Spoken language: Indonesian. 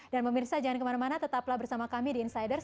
dan memirsa jangan kemana mana tetaplah bersama kami di insiders